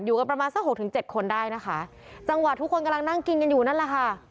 กันประมาณสักหกถึงเจ็ดคนได้นะคะจังหวะทุกคนกำลังนั่งกินกันอยู่นั่นแหละค่ะ